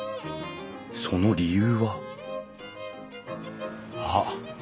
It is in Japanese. その理由は？あっ！